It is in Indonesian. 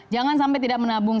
jangan sampai tidak menabung